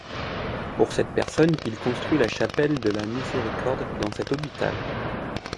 Pour cette personne il construit la chapelle de la Miséricorde dans cet hôpital.